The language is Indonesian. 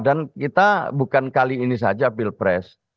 dan kita bukan kali ini saja pilpres